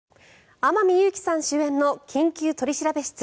天海祐希さん主演の「緊急取調室」。